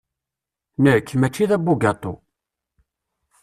Nekk, mačči d abugaṭu.